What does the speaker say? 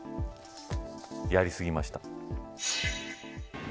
やり過ぎました。